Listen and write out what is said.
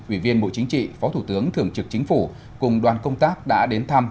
ủy viên bộ chính trị phó thủ tướng thường trực chính phủ cùng đoàn công tác đã đến thăm